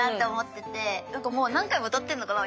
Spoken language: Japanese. なんかもう何回も歌ってんのかな？